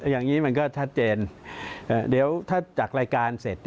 อย่างนี้มันก็ชัดเจนเดี๋ยวถ้าจากรายการเสร็จ